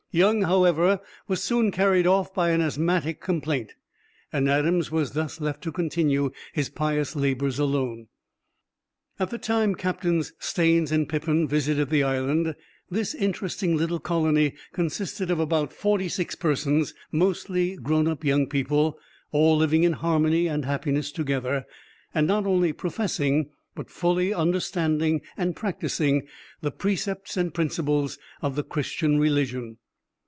Young, however, was soon carried off by an asthmatic complaint, and Adams was thus left to continue his pious labors alone. At the time Captains Staines and Pipon visited the island, this interesting little colony consisted of about forty six persons, mostly grown up young people, all living in harmony and happiness together; and not only professing, but fully understanding and practising, the precepts and principles of the Christian religion.